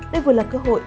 đây vừa là cơ hội